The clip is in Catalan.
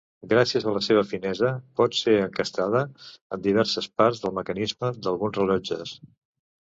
Gràcies a la seva finesa, pot ser encastada en diverses parts del mecanisme d'alguns rellotges.